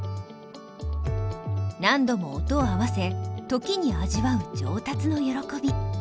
何度も音を合わせ時に味わう上達の喜び。